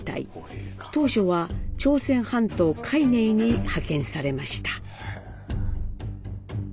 当初は朝鮮半島會寧に派遣されました。